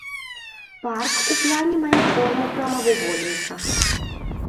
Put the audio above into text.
Парк у плане мае форму прамавугольніка.